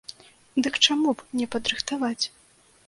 Дык чаму б не падрыхтаваць?